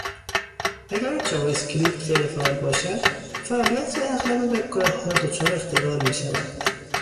اگر جاوااسکریپت غیرفعال باشد، فعالیت اغلب وبگاهها دچار اختلال میشود.